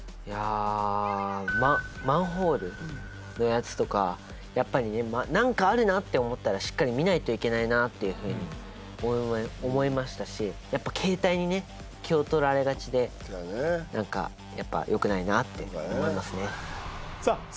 いやあマンホールのやつとかやっぱりね何かあるなって思ったらしっかり見ないといけないなっていうふうに思いましたしやっぱ携帯にね気を取られがちで何かやっぱよくないなって思いますねさあ